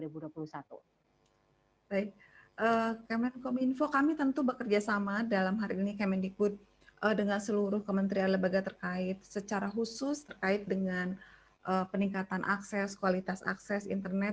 baik kemenkom info kami tentu bekerja sama dalam hari ini kemendikbud dengan seluruh kementerian lebaga terkait secara khusus terkait dengan peningkatan akses kualitas akses internet